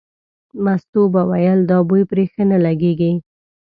مستو به ویل دا بوی پرې ښه نه لګېږي.